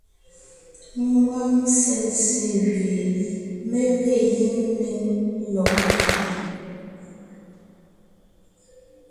Ngwáŋ ntsentse gẅie mé ge gíŋ néŋ lɔg kẅiʼi,